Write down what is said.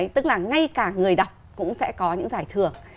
tức là ngay cả người đọc cũng sẽ có những giải thưởng